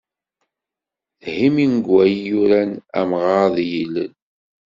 D Hemingway i yuran " Amɣar d yillel".